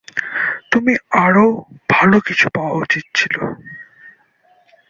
তুমি আরও ভাল কিছু পাওয়া উচিত।